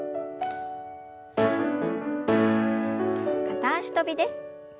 片脚跳びです。